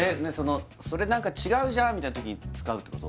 「それ何か違うじゃん」みたいな時に使うってこと？